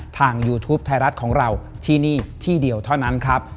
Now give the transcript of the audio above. ยูทูปไทยรัฐของเราที่นี่ที่เดียวเท่านั้นครับ